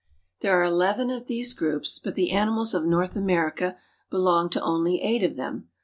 There are eleven of these groups, but the animals of North America belong to only eight of them.